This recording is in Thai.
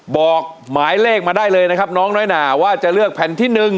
บอกหมายเลขมาได้เลยนะครับน้องน้อยนาว่าจะเลือกแผ่นที่๑